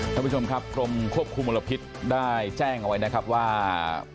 ท่านผู้ชมครับกรมควบคุมมลพิษได้แจ้งเอาไว้นะครับว่า